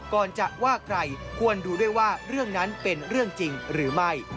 ก่อนจะว่าใครควรดูด้วยว่าเรื่องนั้นเป็นเรื่องจริงหรือไม่